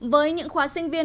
với những khóa sinh viên